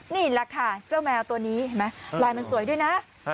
นี่แหละค่ะเจ้าแมวตัวนี้เห็นไหมลายมันสวยด้วยนะ